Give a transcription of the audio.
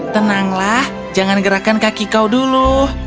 tenanglah jangan gerakan kaki kau dulu